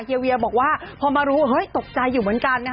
เฮียเวียบอกว่าพอมารู้ตกใจอยู่เหมือนกัน